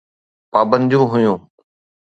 پابنديون هيون.